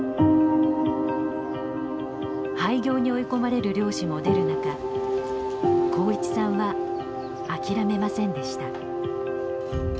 廃業に追い込まれる漁師も出る中幸一さんは諦めませんでした。